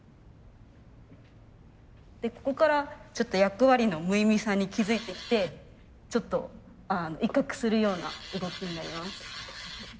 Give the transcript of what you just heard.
でここからちょっと役割の無意味さに気付いてきてちょっと威嚇するような動きになります。